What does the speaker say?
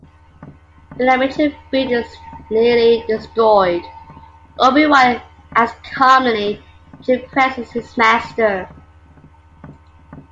When a major building is nearly destroyed, Obi-Wan acts calmly, which impresses his master.